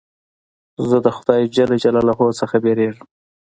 زه د خدای جل جلاله څخه بېرېږم.